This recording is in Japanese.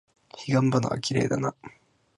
彼岸花はきれいだな。